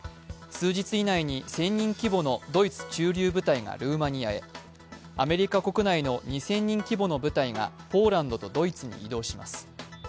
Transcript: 数日以内に１０００人規模のドイツ駐留部隊がルーマニアへ、アメリカ国内の２０００人規模の部隊がポーランドとドイツに移動します。